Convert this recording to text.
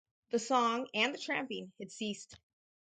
The song and the tramping had ceased.